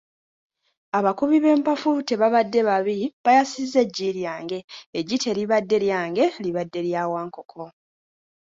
Abakubi b'empafu tebabadde babi, bayasizza eggi lyange, eggi teribadde lyange libadde lya Wankoko,